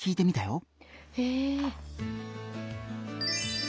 へえ。